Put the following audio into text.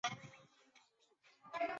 单瘤酸模为蓼科酸模属下的一个种。